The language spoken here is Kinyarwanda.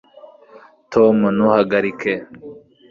tom, ntuhagarike